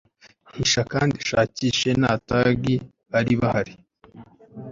hisha kandi ushakishe na tagi bari bahari